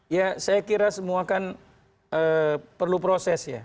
ya saya kira semua kan perlu proses ya